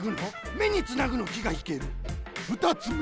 めにつなぐのきがひけるふたつめ！